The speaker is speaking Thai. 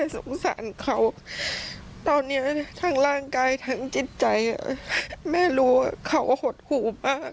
สงสารเขาตอนนี้ทั้งร่างกายทั้งจิตใจแม่รู้ว่าเขาหดหูมาก